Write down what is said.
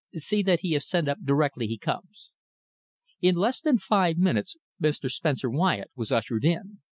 "See that he is sent up directly he comes." In less than five minutes Mr. Spencer Wyatt was ushered in.